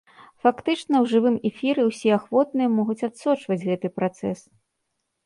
Фактычна ў жывым эфіры ўсе ахвотныя могуць адсочваць гэты працэс.